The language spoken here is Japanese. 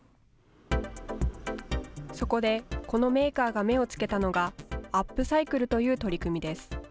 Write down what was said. そこでこのメーカーが目をつけたのがアップサイクルという取り組みです。